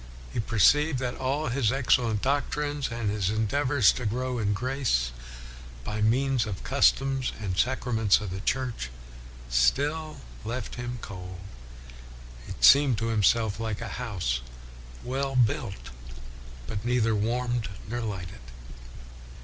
He perceived that all his excellent doctrines, and his endeavors to grow in grace by means of the customs and sacraments of the Church, still left him cold. He seemed to himself like a house well built, but neither warmed nor lighted.